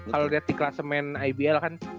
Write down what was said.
kalo di klasemen ibl kan